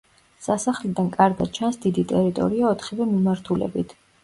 სასახლიდან კარგად ჩანს დიდი ტერიტორია ოთხივე მიმართულებით.